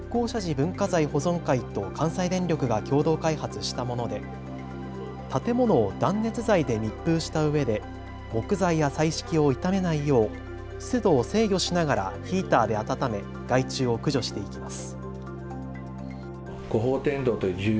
文化財保存会と関西電力が共同開発したもので建物を断熱材で密封したうえで木材や彩色を傷めないよう湿度を制御しながらヒーターで温め害虫を駆除していきます。